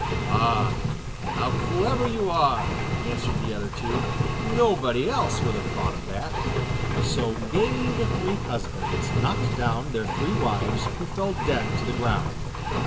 'Ah, how clever you are,' answered the other two. 'Nobody else would have thought of that.' So gaily the three husbands knocked down their three wives, who fell dead to the ground.